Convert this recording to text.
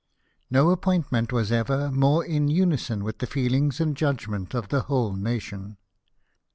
No appointment was ever more in unison with the feelings and judgment of the whole nation.